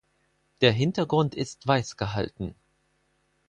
Der Hintergrund ist weiß gehalten.